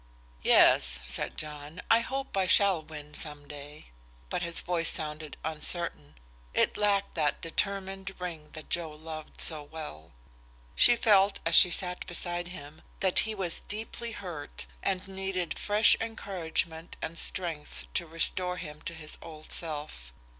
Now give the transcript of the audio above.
"Yes," said John, "I hope I shall win some day." But his voice sounded uncertain; it lacked that determined ring that Joe loved so well. She felt as she sat beside him that he was deeply hurt and needed fresh encouragement and strength to restore him to his old self.